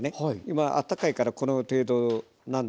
今あったかいからこの程度なんですよ。